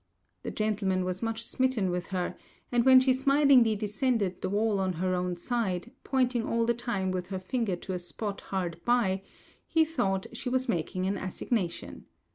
The gentleman was much smitten with her; and when she smilingly descended the wall on her own side, pointing all the time with her finger to a spot hard by, he thought she was making an assignation.